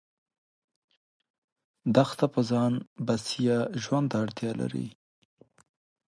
دښته په ځان بسیا ژوند ته اړتیا لري.